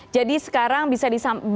jadi sekarang bisa disampaikan